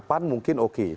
pan mungkin oke